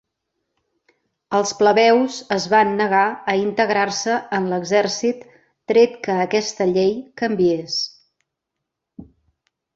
Els plebeus es van negar a integrar-se en l'exèrcit tret que aquesta llei canviés.